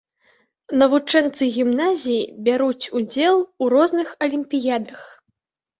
Навучэнцы гімназіі бяруць удзел ў розных алімпіядах.